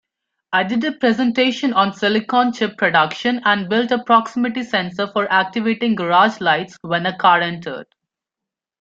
I did a presentation on silicon chip production and built a proximity sensor for activating garage lights when a car entered.